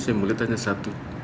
saya melihat hanya satu